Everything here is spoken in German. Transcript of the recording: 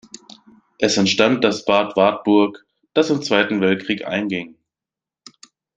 Es entstand das Bad Wartburg, das im Zweiten Weltkrieg einging.